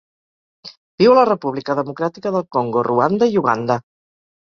Viu a la República Democràtica del Congo, Ruanda i Uganda.